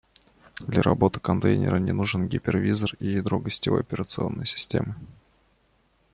Для работы контейнера не нужен гипервизор и ядро гостевой операционной системы